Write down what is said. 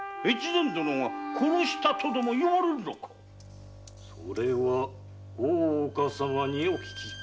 大岡殿が殺したとでも言われるのかそれは大岡様にお聞きください。